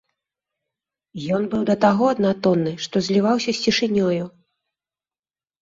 Ён быў да таго аднатонны, што зліваўся з цішынёю.